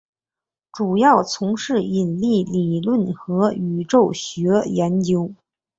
主要从事引力理论和宇宙学研究。